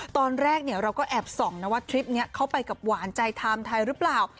ตอนแรกเราก็แอบส่องนะว่าทริปนี้เข้าไปกับหวานใจไทม์ไทยหรือเปล่า